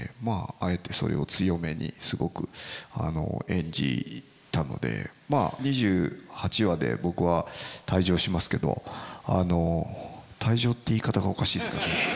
あえてそれを強めにすごく演じたのでまあ２８話で僕は退場しますけど退場って言い方がおかしいですかね。